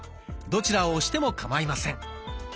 どちらを押してもかまいません。